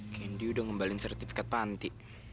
kendi udah ngembalin sertifikat panti